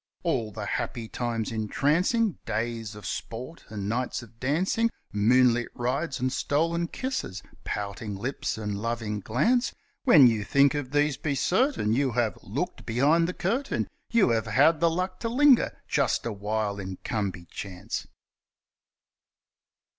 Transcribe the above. All the happy times entrancing, days of sport and nights of dancing, Moonlit rides and stolen kisses, pouting lips and loving glance: When you think of these be certain you have looked behind the curtain, You have had the luck to linger just a while in 'Come by chance'.